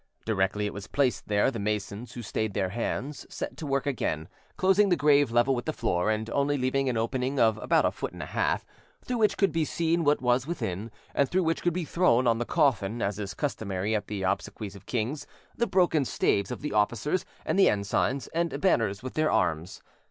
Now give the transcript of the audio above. Directly it was placed there, the masons, who had stayed their hands, set to work again, closing the grave level with the floor, and only leaving an opening of about a foot and a half, through which could be seen what was within, and through which could be thrown on the coffin, as is customary at the obsequies of kings, the broken staves of the officers and the ensigns and banners with their arms.